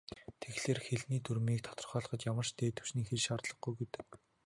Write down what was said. Тэгэхээр, хэлний дүрмийг тодорхойлоход ямар ч "дээд түвшний хэл" шаардлагагүй гэдэг.